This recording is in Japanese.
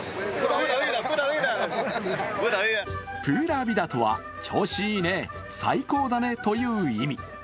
プーラヴィダとは、調子いいね、最高だねという意味。